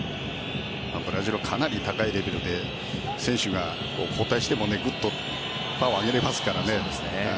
ブラジルはかなり高いレベルで選手が交代してもパワーを上げられますからね。